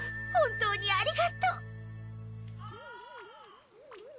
本当にありがとう！